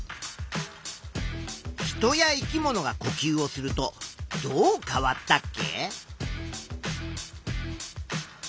人や生き物がこきゅうをするとどう変わったっけ？